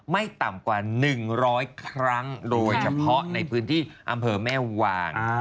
ไม่ต่ำกว่า๑๐๐ครั้งโดยเฉพาะในพื้นที่อำเภอแม่วาง